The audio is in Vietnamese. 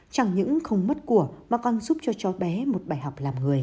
chẳng những không mất của mà còn giúp cho cháu bé một bài học